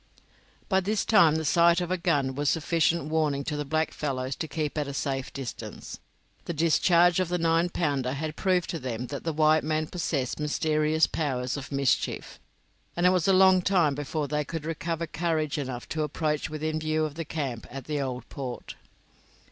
By this time the sight of a gun was a sufficient warning to the blackfellows to keep at a safe distance; the discharge of the nine pounder had proved to them that the white man possessed mysterious powers of mischief, and it was a long time before they could recover courage enough to approach within view of the camp at the Old Port.